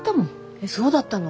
えっそうだったの？